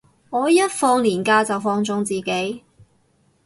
我一放連假就放縱自己